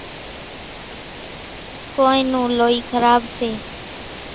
ڪونئين نون لوئي کراٻ سي۔